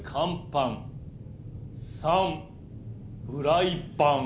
３フライパン」。